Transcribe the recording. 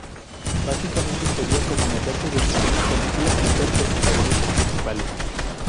Básicamente, sería como meterse dentro de una película y ser los protagonistas principales.